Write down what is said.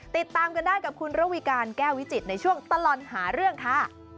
ติดตามกันได้กับคุณระวีการแก้ววิจิตในช่วงตลอดหาเรื่องค่ะ